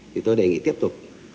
thì tôi đề nghị tiếp tục